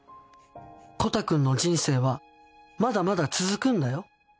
コタくんの人生はまだまだ続くんだよ？